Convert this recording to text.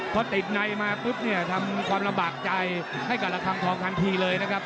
พอติดในมาปุ๊บเนี่ยทำความลำบากใจให้กับระคังทองทันทีเลยนะครับ